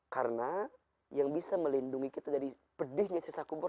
karena yang bisa melindungi kita dari pedihnya siksa kubur